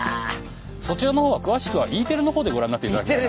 そちらの方はくわしくはＥテレの方でご覧になっていただけたら。